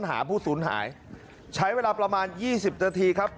หาผู้สูญหายใช้เวลาประมาณยี่สิบนาทีครับ